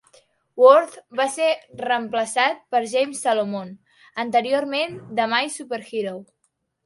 Worth va ser reemplaçat per James Salomone, anteriorment de My Superhero.